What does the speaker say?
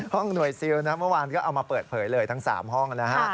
ห้องหน่วยซิลนะเมื่อวานก็เอามาเปิดเผยเลยทั้ง๓ห้องนะฮะ